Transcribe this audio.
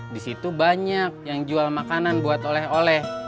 di situ banyak yang jual makanan buat oleh oleh